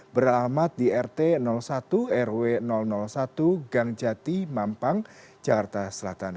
beramat di rt satu rw satu gangjati mampang jakarta selatan